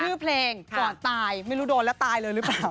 ชื่อเพลงก่อนตายไม่รู้โดนแล้วตายเลยหรือเปล่า